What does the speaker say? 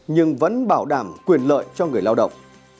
nhưng vẫn bảo đảm quyền lợi cho người lao động